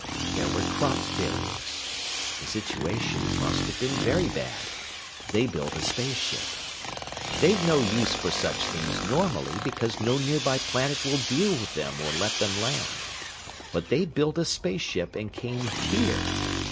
There were crop failures. The situation must have been very bad: They built a spaceship. "They've no use for such things normally, because no nearby planet will deal with them or let them land. But they built a spaceship and came here.